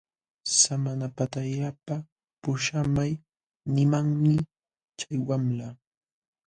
Samanapatallata puśhamay nimanmi chay wamla.